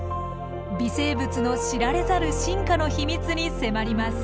微生物の知られざる進化の秘密に迫ります。